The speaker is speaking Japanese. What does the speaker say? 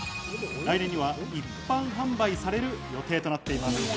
来年には一般販売される予定となっています。